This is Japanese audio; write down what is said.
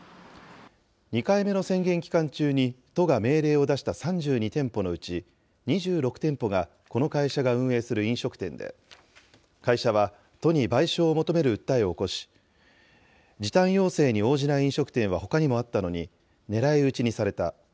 ２回目の宣言期間中に都が命令を出した３２店舗のうち２６店舗がこの会社が運営する飲食店で、会社は、都に賠償を求める訴えを起こし、時短要請に応じない飲食店はほかにもあったのに、狙い撃ちにされた。